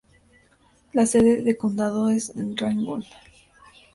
La sede de condado es Ringgold.